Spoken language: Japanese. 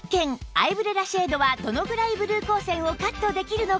アイブレラシェードはどのぐらいブルー光線をカットできるのか？